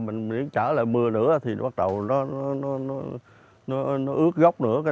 mình trở lại mưa nữa thì bắt đầu nó ướt gốc nữa